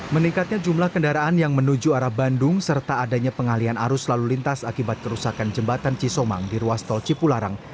meningkatnya jumlah kendaraan yang menuju arah bandung serta adanya pengalian arus lalu lintas akibat kerusakan jembatan cisomang di ruas tol cipularang